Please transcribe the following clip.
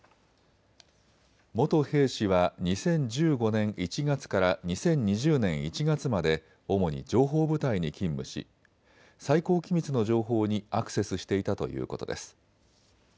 元兵士は２０１５年１月から２０２０年１月まで主に情報部隊に勤務し最高機密の情報にアクセスしていたということです。